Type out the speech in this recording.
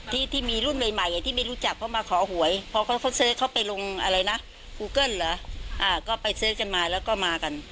ที่ที่มีรุ่นเรียบใหม่